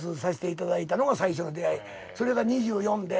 それが２４で。